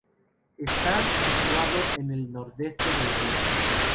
Está situado en el nordeste de la isla.